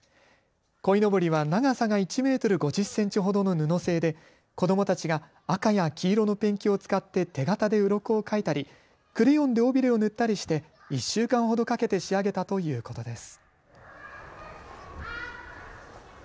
こいのぼりは長さが１メートル５０センチほどの布製で子どもたちが赤や黄色のペンキを使って手形でうろこを描いたりクレヨンで尾びれを塗ったりして１週間ほどかけて仕上げたということです。